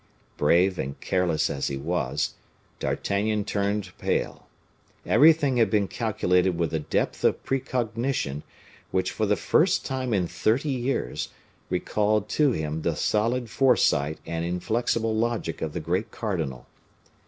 Brave and careless as he was, D'Artagnan turned pale. Everything had been calculated with a depth of precognition which, for the first time in thirty years, recalled to him the solid foresight and inflexible logic of the great cardinal.